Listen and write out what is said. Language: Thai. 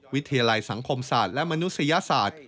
วิทยาลัยสังคมศาสตร์และมนุษยศาสตร์